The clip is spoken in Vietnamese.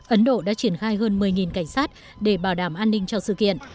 ấn độ đã triển khai hơn một mươi cảnh sát để bảo đảm an ninh cho sự kiện